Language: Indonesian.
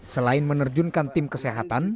selain menerjunkan tim kesehatan